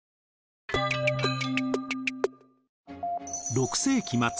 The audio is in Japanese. ６世紀末。